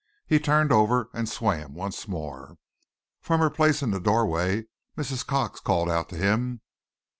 He turned over and swam once more. From her place in the doorway Mrs. Cox called out to him.